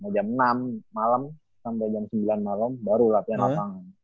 jam enam malem sampe jam sembilan malem baru latihan lapang